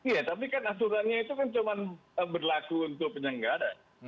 ya tapi kan aturannya itu berlaku untuk penyelenggara